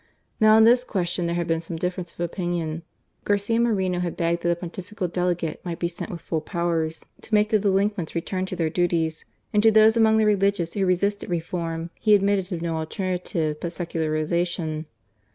Now on this question there had been some difference of opinion. Garcia Moreno had begged that a Pontifical Delegate might be sent with full powers to make the delinquents return to their duties, and to those among the religious who resisted reform, he admitted of no alternative but THE CONCORDAT. 119 secularization.